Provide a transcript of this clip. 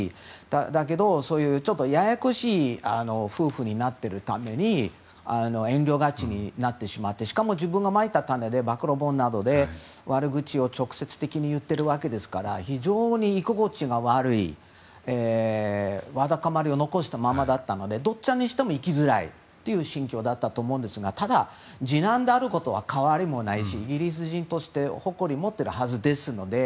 だけど、ややこしい夫婦になっているために遠慮がちになってしまってしかも自分がまいた種で暴露本などで悪口を直接的に言ってるわけですから非常に居心地が悪いわだかまりを残したままだったのでどちらにしても行きづらいという心境だったと思うんですがただ、次男であることは変わりもないしイギリス人として誇りを持っているはずですので。